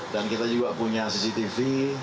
dan kita juga punya cctv